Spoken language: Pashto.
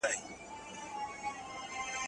د ډبرو سکاره هوا ډېره ککړوي.